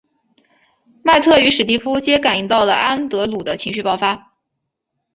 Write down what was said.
麦特与史提夫皆感应到了安德鲁的情绪爆发。